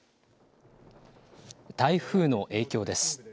台風の影響です。